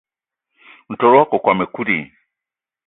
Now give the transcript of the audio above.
Ntol wakokóm ekut i?